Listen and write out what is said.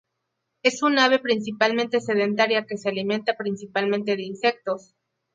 Es un ave principalmente sedentaria que se alimenta principalmente de insectos.